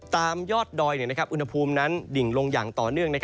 ตามยอดดอยอุณหภูมินั้นดิ่งลงอย่างต่อเนื่อง